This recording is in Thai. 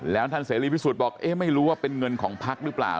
แล้วท่านเสรีพิสุทธิ์บอกเอ๊ะไม่รู้ว่าเป็นเงินของพักหรือเปล่า